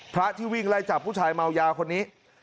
พระที่วิ่งไล่จับผู้ชายเมายาคนนี้